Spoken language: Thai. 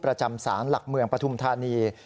ประจำศาลหลักเมืองปฐุมธานี